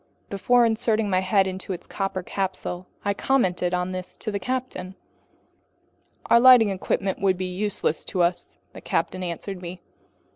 Before inserting my head into its copper capsule, I commented on this to the captain. "Our lighting equipment would be useless to us," the captain answered me.